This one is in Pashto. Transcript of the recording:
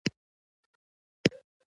ایسټرلي د پلانرانو نیوکه کړې.